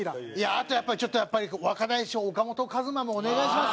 あとちょっとやっぱり若大将岡本和真もお願いします